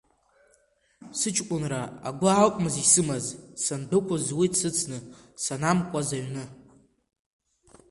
Сыҷкәынра агәы акәмыз исымаз, сандәықәыз уи дсыцны, санамкуаз аҩны.